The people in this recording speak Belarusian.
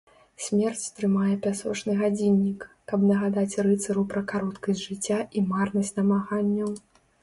Смерць трымае пясочны гадзіннік, каб нагадаць рыцару пра кароткасць жыцця і марнасць намаганняў.